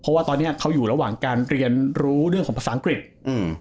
เพราะว่าตอนเนี้ยเขาอยู่ระหว่างการเรียนรู้เรื่องของภาษาอังกฤษอืม